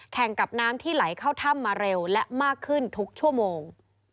กับน้ำที่ไหลเข้าถ้ำมาเร็วและมากขึ้นทุกชั่วโมง